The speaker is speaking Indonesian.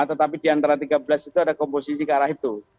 tetapi di antara tiga belas itu ada komposisi ke arah itu